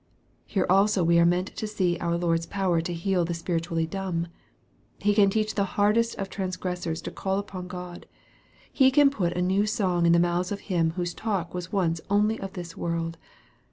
Here also we are meant to see our Lord's power to heal the spiritually dumb. He can teach the hardest of transgressors to call upon God. He can put a new song in the mouth of him whose talk was once only of this world.